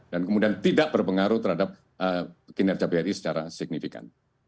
kemudian tidak berpengaruh terhadap kinerja bri secara signifikan